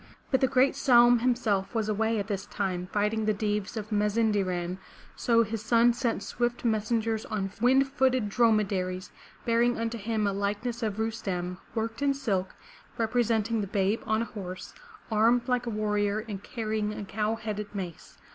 But the great Saum him self was away at this time, fighting the Deevs of Maz in' de ran, so his son sent swift messengers on wind footed dromedaries bearing unto him a likeness of Rustem worked in silk, representing the babe on a horse, armed like a warrior and carrying a cow headed mace.